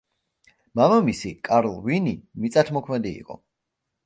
მამამისი, კარლ ვინი მიწათმოქმედი იყო.